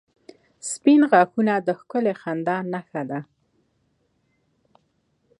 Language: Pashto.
• سپین غاښونه د ښکلي خندا نښه ده.